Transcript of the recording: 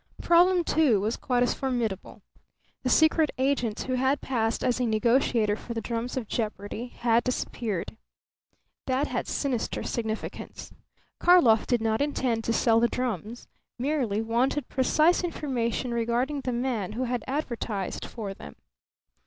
Problem Two was quite as formidable. The secret agent who had passed as a negotiator for the drums of jeopardy had disappeared. That had sinister significance. Karlov did not intend to sell the drums; merely wanted precise information regarding the man who had advertised for them.